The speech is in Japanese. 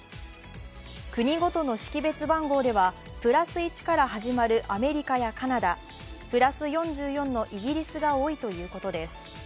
国ごとの識別番号では＋１から始まるアメリカやカナダ、＋４４のイギリスが多いということです。